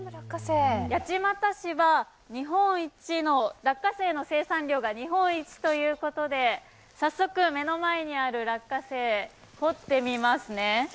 八街市は落花生の生産量が日本一ということで早速、目の前にある落花生、取ってみますね。